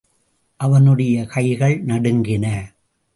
அவனுடைய கைகள் நடுங்கின.